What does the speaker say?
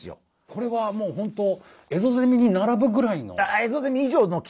これはもう本当エゾゼミに並ぶぐらいの。